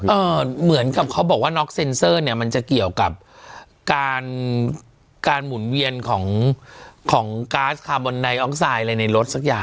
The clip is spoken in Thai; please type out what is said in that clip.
เหมือนกับเขาบอกว่าน็อกเซ็นเซอร์เนี่ยมันจะเกี่ยวกับการการหมุนเวียนของของก๊าซคาร์บอนไดออกไซด์อะไรในรถสักอย่าง